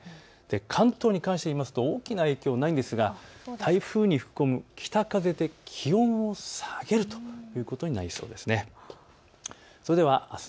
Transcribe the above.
関東に関して言うと大きな影響はないですが台風に吹き込む北風で気温を下げるということになりそうです。